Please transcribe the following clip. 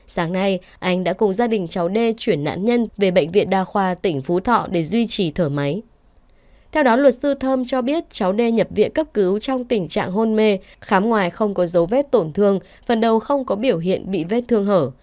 sau vết tổn thương phần đầu không có biểu hiện bị vết thương hở